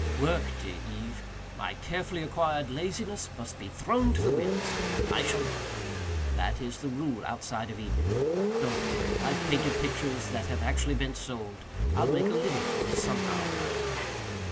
"Work, dear Eve. My carefully acquired laziness must be thrown to the winds and I shall work. That is the rule outside of Eden. Don't worry. I've painted pictures that have actually been sold. I'll make a living for us somehow."